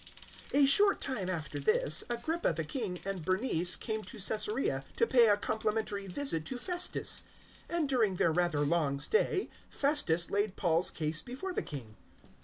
025:013 A short time after this, Agrippa the king and Bernice came to Caesarea to pay a complimentary visit to Festus; 025:014 and, during their rather long stay, Festus laid Paul's case before the king.